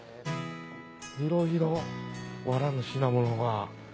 いろいろわらの品物が。